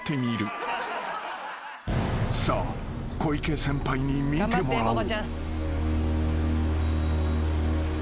［さあ小池先輩に見てもらおう］